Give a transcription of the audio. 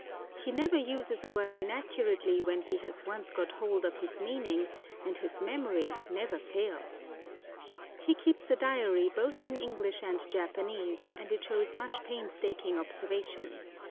He never uses a word inaccurately when he has once got hold of its meaning, and his memory never fails. He keeps a diary both in English and Japanese, and it shows much painstaking observation.